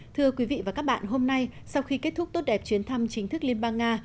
thưa quý vị và các bạn hôm nay sau khi kết thúc tốt đẹp chuyến thăm chính thức liên bang nga